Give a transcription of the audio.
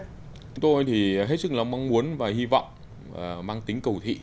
chúng tôi thì hết sức là mong muốn và hy vọng mang tính cầu thị